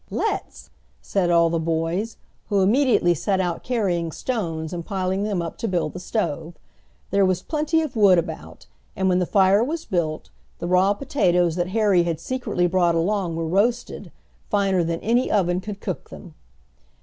"Let's," said all the boys, who immediately set out carrying stones and piling them up to build the stove. There was plenty of wood about, and when the fire was built, the raw potatoes that Harry had secretly brought along were roasted, finer than any oven could cook them.